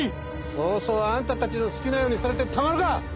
そうそうアンタたちの好きなようにされてたまるか！